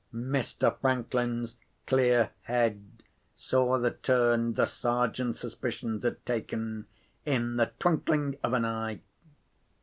Mr. Franklin's clear head saw the turn the Sergeant's suspicions had taken, in the twinkling of an eye.